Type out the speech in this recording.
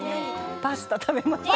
パスタを食べました。